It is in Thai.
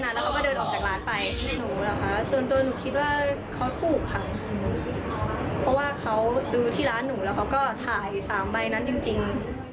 เพราะว่าเขาซื้อที่ร้านหนูแล้วก็ถ่าย๓ใบนั้นจริง